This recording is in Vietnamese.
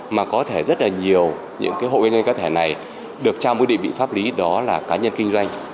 mà có thể rất là nhiều những hộ kinh doanh cá thể này được trao một định vị pháp lý đó là cá nhân kinh doanh